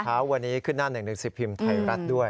เช้าวันนี้ขึ้นหน้า๑๑๐พิมพ์ไทยรัฐด้วย